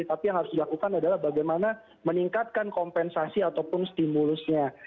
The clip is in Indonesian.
tapi yang harus dilakukan adalah bagaimana meningkatkan kompensasi ataupun stimulusnya